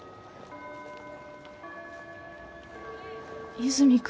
和泉君？